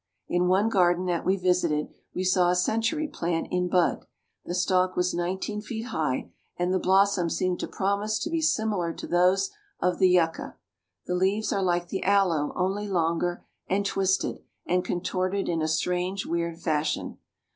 In one garden that we visited we saw a century plant in bud. The stalk was nineteen feet high; and the blossoms seemed to promise to be similar to those of the yucca. The leaves are like the aloe, only longer, and twisted and contorted in a strange, weird fashion.